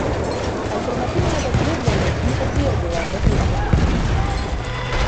Альтэрнатыўнае даследаванне не пацвердзіла гэтую інфармацыю.